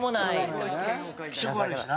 気色悪いしな。